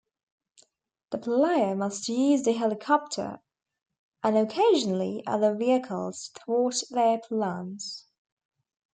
The player must use the helicopter and occasionally other vehicles to thwart their plans.